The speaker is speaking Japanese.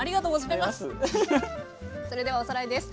それではおさらいです。